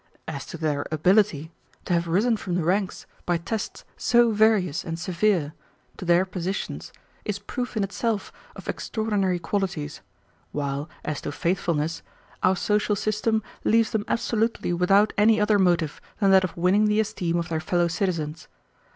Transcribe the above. As to their ability, to have risen from the ranks, by tests so various and severe, to their positions, is proof in itself of extraordinary qualities, while as to faithfulness, our social system leaves them absolutely without any other motive than that of winning the esteem of their fellow citizens.